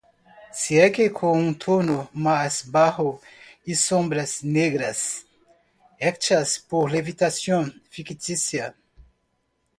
Sigue con un tono más bajo y sombras negras hechas por levitación ficticia.